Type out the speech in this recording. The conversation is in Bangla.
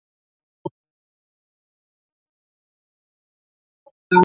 তিনি পরবর্তীকালে ফিকটেকে কেবল সমালোচনামূলক ও নেতিবাচক বিষয়ে উল্লেখ করেছেন।